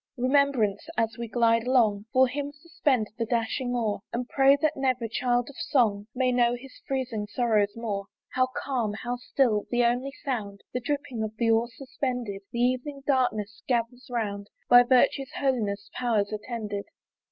Remembrance! as we glide along, For him suspend the dashing oar, And pray that never child of Song May know his freezing sorrows more. How calm! how still! the only sound, The dripping of the oar suspended! The evening darkness gathers round By virtue's holiest powers attended.